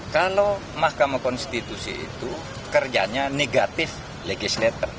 kalau mahkamah konstitusi itu kerjanya negatif legislator